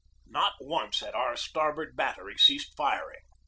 Not once had our starboard bat tery ceased firing.